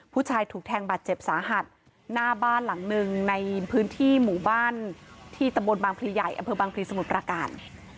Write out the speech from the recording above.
ผู้ชายถูกแทงบาดเจ็บสาหัสหน้าบ้านหลังหนึ่งในพื้นที่หมู่บ้านที่ตำบลบางพลีใหญ่อำเภอบางพลีสมุทรประการ